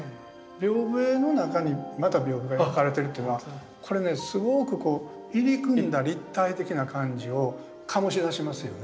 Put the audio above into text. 屏風絵の中にまた屏風が描かれてるっていうのはこれねすごくこう入り組んだ立体的な感じを醸し出しますよね。